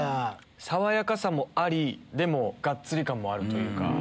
爽やかさもありでもがっつり感もあるというか。